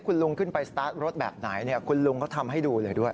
คุณลุงขึ้นไปสตาร์ทรถแบบไหนคุณลุงเขาทำให้ดูเลยด้วย